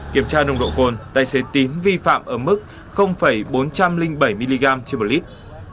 kiểm tra nồng độ cồn tài xế tín vi phạm ở mức bốn trăm linh bảy mg trên một lít